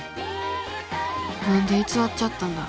何で偽っちゃったんだろう。